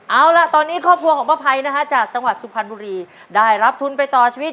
เอาล่ะตอนนี้ครอบครัวของป้าไภนะฮะจากสวรรค์สุพรรไปต่อชีวิต